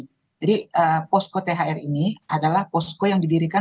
jadi posko thr ini adalah posko yang didirikan